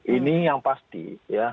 ini yang pasti ya